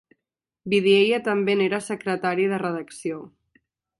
Vidiella també n'era secretari de redacció.